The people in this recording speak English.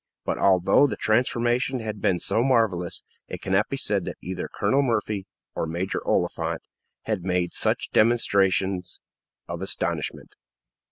But although the transformation had been so marvelous, it cannot be said that either Colonel Murphy or Major Oliphant had made much demonstration of astonishment.